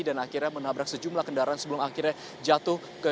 dan akhirnya menabrak sejumlah kendaraan sebelum akhirnya jatuh